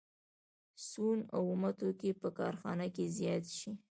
د سون اومه توکي په کارخانه کې زیات شي